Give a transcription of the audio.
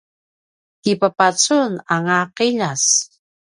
kipapacunanga a ’iljas